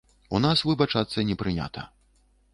У нас выбачацца не прынята.